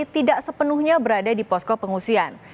tidak sepenuhnya berada di posko pengungsian